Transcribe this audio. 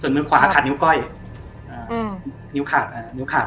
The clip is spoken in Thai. มือขวาขาดนิ้วก้อยอ่าอืมนิ้วขาดอ่านิ้วขาด